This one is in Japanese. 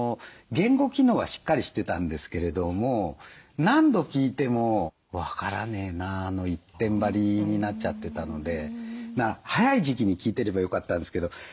言語機能はしっかりしてたんですけれども何度聞いても「分からねえな」の一点張りになっちゃってたのでまあ早い時期に聞いてればよかったんですけど。